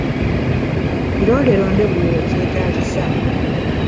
Bironde londe buli lwekyetaagisa.